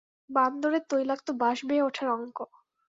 বান্দরের তৈলাক্ত বাঁশ বেয়ে ওঠার অঙ্ক!